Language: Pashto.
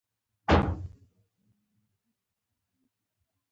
علمي – تخیلي فلمونه لکه ماتریکس دا ښيي.